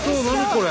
これ。